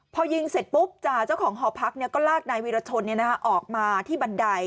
พอยิงเสร็จปุ๊บจ่าเจ้าของหอพักก็ลากนายวีรชนออกมาที่บันได